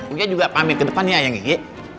uya juga pamit ke depan ya ya kiki